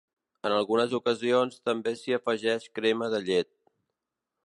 En algunes ocasions, també s'hi afegeix crema de llet.